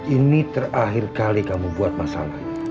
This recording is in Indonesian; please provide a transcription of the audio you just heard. ini terakhir kali kamu buat masalah